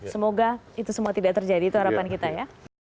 semoga itu semua tidak terjadi itu harapan kita ya